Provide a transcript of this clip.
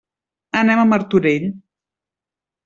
Anem a Martorell.